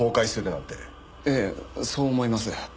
ええそう思います。